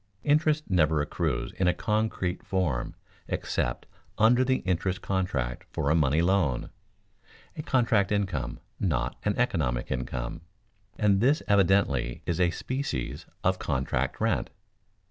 Interest never accrues in a concrete form except under the interest contract for a money loan (a contract income, not an economic income), and this evidently is a species of contract rent.